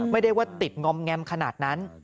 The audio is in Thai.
ไม่ได้ว่าติดงอมแงมขนาดนั้น